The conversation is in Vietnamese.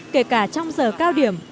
kể cả trong giờ cao điểm